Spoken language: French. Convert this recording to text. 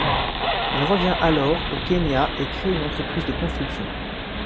Il revient, alors, au Kenya et crée une entreprise de construction.